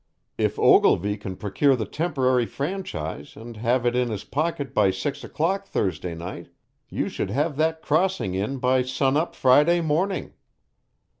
If Ogilvy can procure the temporary franchise and have it in his pocket by six o'clock Thursday night, you should have that crossing in by sunup Friday morning.